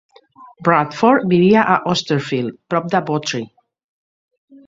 Bradford vivia a Austerfield, prop de Bawtry.